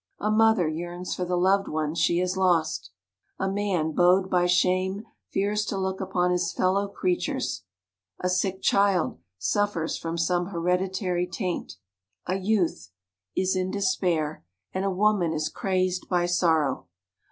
A mother yearns for the loved ones she has lost. A man bowed by shame fears to look upon his fellow creatures. A sick child suffers from some hereditary taint. A youth 64 WOMEN OF ACHIEVEMENT is in despair, and a woman is crazed by sor row.